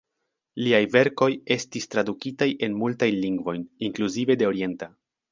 Liaj verkoj estis tradukitaj en multajn lingvojn, inkluzive de orienta.